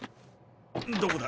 どこだ？